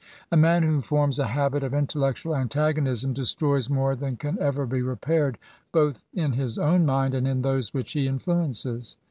A man who forms a habit of intellectual antagonism destroys more than can ever be repaired, both in his own mind and in those which he influences.